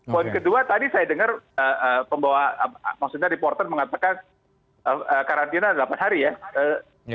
poin kedua tadi saya dengar pembawa maksudnya reporter mengatakan karantina delapan hari ya